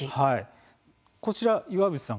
こちら岩渕さん